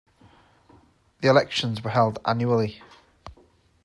The elections were held annually.